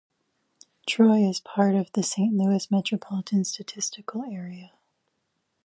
Troy is part of the Saint Louis Metropolitan Statistical Area.